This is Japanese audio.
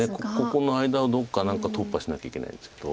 ここの間をどっか何か突破しなきゃいけないんですけど。